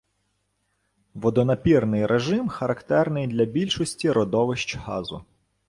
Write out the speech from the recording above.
Водонапірний режим характерний для більшості родовищ газу.